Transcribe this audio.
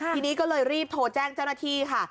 ทีนี้ก็เลยรีบโทรแจ้งเจ้าหน้าที่ค่ะ